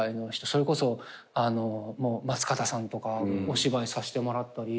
それこそ松方さんとかお芝居させてもらったり。